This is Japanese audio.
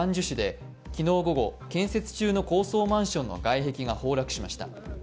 市で昨日午後、建設中の高層マンションの外壁が崩落しました。